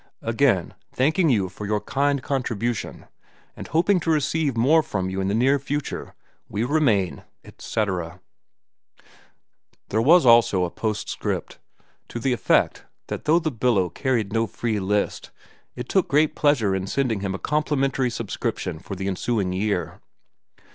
Again, thanking you for your kind contribution, and hoping to receive more from you in the near future, we remain, etc." There was also a postscript to the effect that though The Billow carried no free list, it took great pleasure in sending him a complimentary subscription for the ensuing year.